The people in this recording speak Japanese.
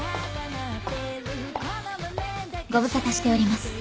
ご無沙汰しております。